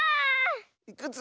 いくつ？